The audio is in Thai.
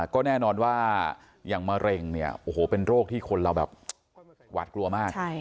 ก็แน่นอนว่าอย่างมะเร็งเนี่ยโอ้โหเป็นโรคที่คนเราแบบหวาดกลัวมาก